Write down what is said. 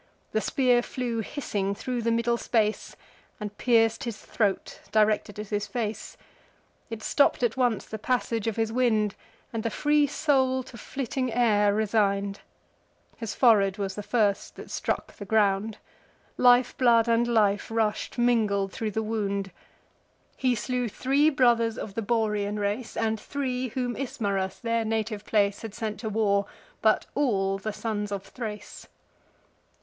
The spear flew hissing thro' the middle space, And pierc'd his throat, directed at his face; It stopp'd at once the passage of his wind, And the free soul to flitting air resign'd: His forehead was the first that struck the ground; Lifeblood and life rush'd mingled thro' the wound. He slew three brothers of the Borean race, And three, whom Ismarus, their native place, Had sent to war, but all the sons of Thrace.